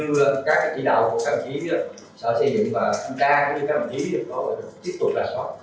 quận tiếp tục là khó như các chỉ đạo của các vị trí sở xây dựng và thanh tra như các vị trí tiếp tục là khó